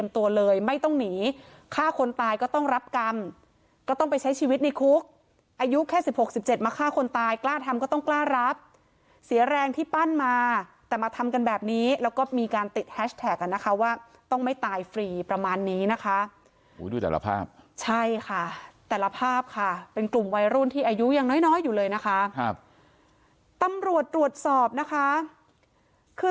ป๊อบรอดยิงพี่ป๊อบรอดยิงพี่ป๊อบรอดยิงพี่ป๊อบรอดยิงพี่ป๊อบรอดยิงพี่ป๊อบรอดยิงพี่ป๊อบรอดยิงพี่ป๊อบรอดยิงพี่ป๊อบรอดยิงพี่ป๊อบรอดยิงพี่ป๊อบรอดยิงพี่ป๊อบรอดยิงพี่ป๊อบรอดยิงพี่ป๊อบรอดยิงพี่ป๊อบรอดยิงพี่ป๊อบรอดยิงพี่ป๊อบรอดยิงพี่